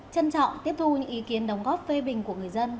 trân trọng tiếp thu những ý kiến đóng góp phê bình của người dân